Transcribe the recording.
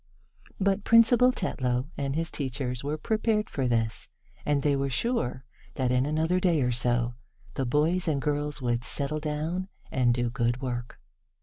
But Principal Tetlow and his teachers were prepared for this, and they were sure that, in another day or so, the boys and girls would settle down and do good work.